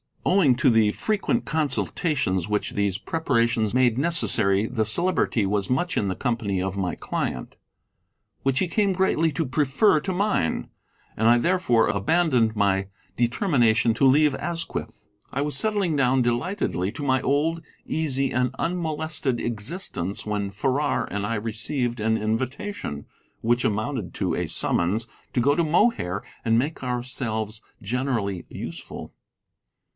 Owing to the frequent consultations which these preparations made necessary the Celebrity was much in the company of my client, which he came greatly to prefer to mine, and I therefore abandoned my determination to leave Asquith. I was settling down delightedly to my old, easy, and unmolested existence when Farrar and I received an invitation, which amounted to a summons, to go to Mohair and make ourselves generally useful.